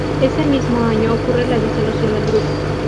Ese mismo año ocurre la disolución del grupo.